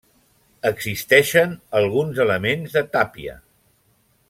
Existeixen alguns elements de tàpia.